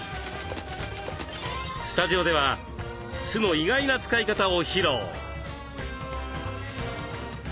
スタジオでは酢の意外な使い方を披露。